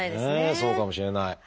そうかもしれない。